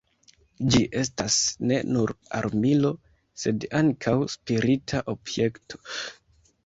Ĝi estas ne nur armilo, sed ankaŭ spirita objekto.